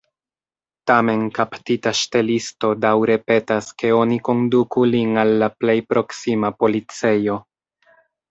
Tamen kaptita ŝtelisto daŭre petas, ke oni konduku lin al la plej proksima policejo.